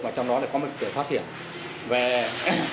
mà trong đó là có một lối thoát hiểm